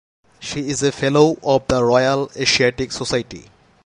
She is a Fellow of the Royal Asiatic Society.